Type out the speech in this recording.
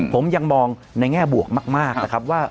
ผมยังมองในแง่บวกมากนะครับว่า